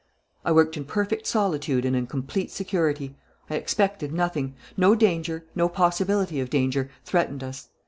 "I worked in perfect solitude and in complete security. I expected nothing. No danger, no possibility of danger, threatened us.